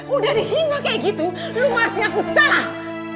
udah dihina kayak gitu lu masih aku salah